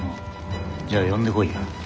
じゃあ呼んでこいよ。